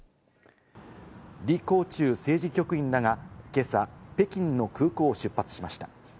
リ・コウチュウ政治局員らが、今朝、北京の空港を出発しました。